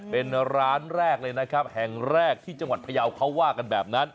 เป็นร้านแรกเลยนะครับแห่งแรกที่จังหวัดพยาวเขาว่ากันแบบนั้น